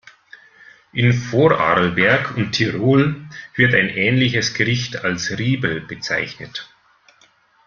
In Vorarlberg und Tirol wird ein ähnliches Gericht als Riebel bezeichnet.